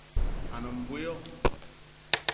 A ne mbo yo